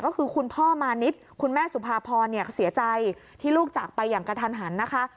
ก็คือคุณพ่อมานิดคุณแม่สุภาพรเสียใจที่ลูกจากไปอย่างกระทันหันนะคะ